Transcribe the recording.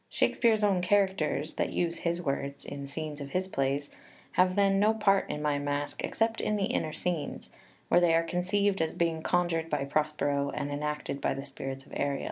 Shakespeare's own characters, that use his words 1 in scenes of his plays, have then no part in my Masque, except in the Inner Scenes, 2 where they are conceived as being conjured by Prospero and enacted by the Spirits of Ariel.